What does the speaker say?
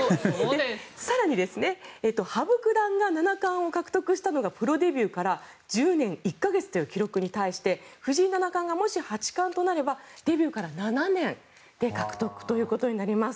更に羽生九段が七冠を獲得したのがプロデビューから１０年１か月という記録に対して藤井七冠がもし八冠となればデビューから７年で獲得となります。